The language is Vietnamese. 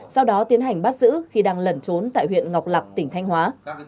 sau đó tiến hành bắt giữ khi đang lẩn trốn tại huyện ngọc lạc tỉnh thanh hóa